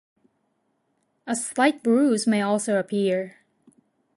A slight bruise may also appear.